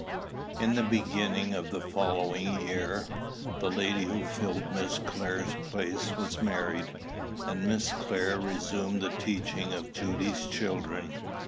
In the beginning of the following year, the lady who filled Miss Clare's place was married, and Miss Clare resumed the teaching of Judy's children.